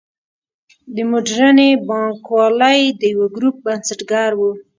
د موډرنې بانکوالۍ د یوه ګروپ بنسټګر و.